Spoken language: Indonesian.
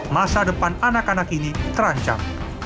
masa depan anak anak ini terancam